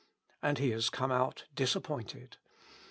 And he has come out disappointed.